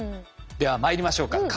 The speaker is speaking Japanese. ではまいりましょうか。